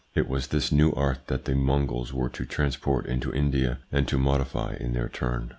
It was this new art that the Mongols were to transport into India and to modify in their turn.